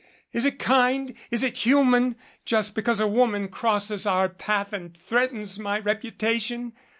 Is it kind, is it human just because a woman crosses our path and threatens my reputation?